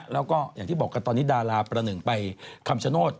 แล้วก็อย่างที่บอกกันตอนนี้ดาราประหนึ่งไปคำชโนธ